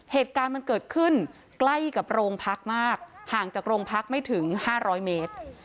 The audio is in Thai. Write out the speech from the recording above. เหตุการณ์มันเกิดขึ้นใกล้กับโรงพักมากห่างจากโรงพักไม่ถึง๕๐๐เมตร